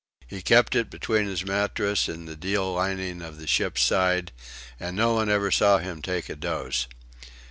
He kept it between his mattress and the deal lining of the ship's side; and nobody ever saw him take a dose.